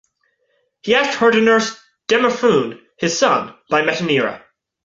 He asked her to nurse Demophoon, his son by Metanira.